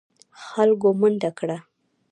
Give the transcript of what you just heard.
خلکو منډه کړه.